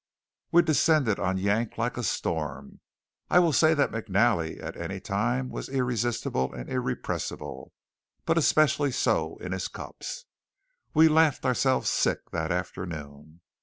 We descended on Yank like a storm. I will say that McNally at any time was irresistible and irrepressible, but especially so in his cups. We laughed ourselves sick that afternoon.